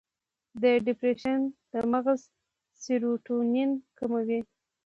د ډیپریشن د مغز سیروټونین کموي.